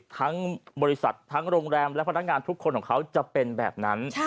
ทั้งบริษัททั้งโรงแรมและพนักงานทุกคนของเขาจะเป็นแบบนั้น